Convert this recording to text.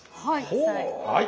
はい。